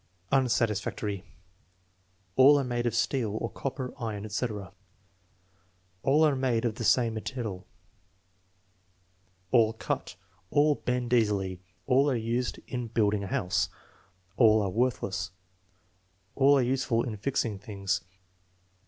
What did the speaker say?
Unsatisfactory. "All are made of steel" (or copper, iron, etc.). "All are made of the same metal." "All cut." "All bend easily." "All are used in building a house." "All are worthless." "All arc useful in fixing things."